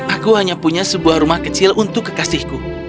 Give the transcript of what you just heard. aku hanya punya sebuah rumah kecil untuk kekasihku